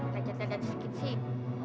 gak jadinya sedikit sih